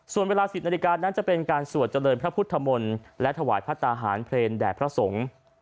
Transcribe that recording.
ส่วนเวลา๑๐นาฬิกานั้นจะเป็นการสวดเจริญพระพุทธมนต์และถวายพระตาหารเพลงแด่พระสงฆ์